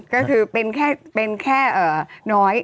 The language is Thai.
ก็คือเป็นแค่น้อย